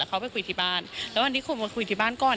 เขาไปคุยที่บ้านแล้ววันนี้คงมาคุยที่บ้านก่อน